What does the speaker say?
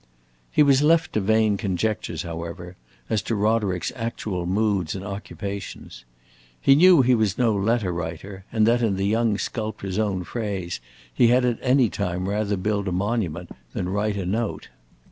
He was left to vain conjectures, however, as to Roderick's actual moods and occupations. He knew he was no letter writer, and that, in the young sculptor's own phrase, he had at any time rather build a monument than write a note.